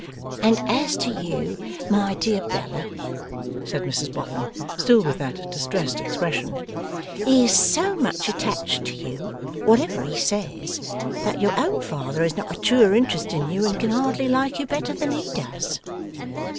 'And as to you, my dear Bella,' said Mrs Boffin, still with that distressed expression, 'he is so much attached to you, whatever he says, that your own father has not a truer interest in you and can hardly like you better than he does.